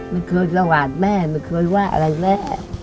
มันเคยสวาสตร์แม่มันเคยว่าอะไรแม่